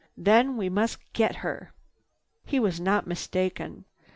Then we must get her." He was not mistaken.